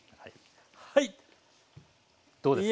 はいどうですか？